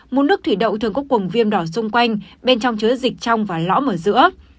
mụn nước thủy đậu thường có quồng viêm đỏ xung quanh bên trong chứa dịch trong và lõm ở giữa